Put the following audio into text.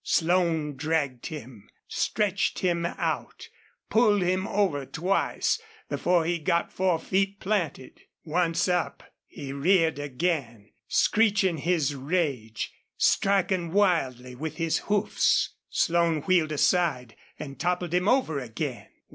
Slone dragged him, stretched him out, pulled him over twice before he got forefeet planted. Once up, he reared again, screeching his rage, striking wildly with his hoofs. Slone wheeled aside and toppled him over again.